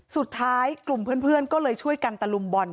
สุดท้ายกลุ่มเพื่อนก็เลยช่วยกันตะลุมบอล